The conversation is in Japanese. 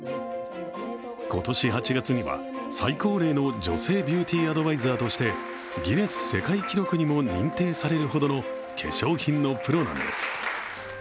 今年８月には最高齢の女性ビューティーアドバイザーとしてギネス世界記録にも認定されるほどの化粧品のプロなんです。